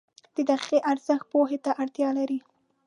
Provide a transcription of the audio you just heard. • د دقیقه ارزښت پوهې ته اړتیا لري.